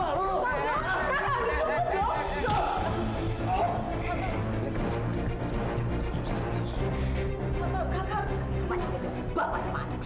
macem macem bapak sama adik